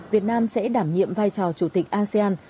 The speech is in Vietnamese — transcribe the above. việt nam sẽ đảm nhiệm vai trò chủ tịch asean